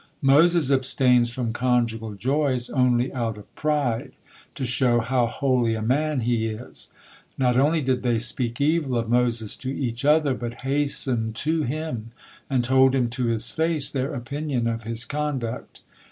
Moses abstains from conjugal joys only out of pride, to show how holy a man he is." Not only did they speak evil of Moses to each other, but hastened to him and told him to his face their opinion of his conduct.